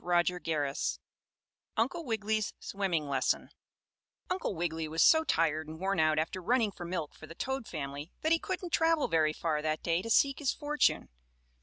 STORY XXI UNCLE WIGGILY'S SWIMMING LESSON Uncle Wiggily was so tired and worn out after running for milk for the toad family that he couldn't travel very far that day to seek his fortune.